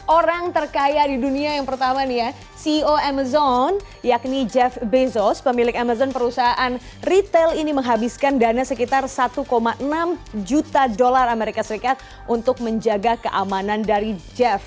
orang terkaya di dunia yang pertama nih ya ceo amazon yakni jeff bezos pemilik amazon perusahaan retail ini menghabiskan dana sekitar satu enam juta dolar as untuk menjaga keamanan dari jeff